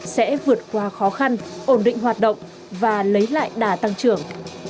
sẽ vượt qua khó khăn ổn định hoạt động và lấy lại đà tăng trưởng